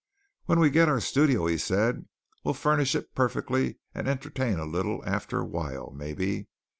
"When we get our studio," he said, "we'll furnish it perfectly, and entertain a little after a while, maybe.